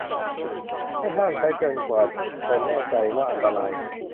ไม่ห้ามใช้จนกว่าจะแน่ใจว่าอันตราย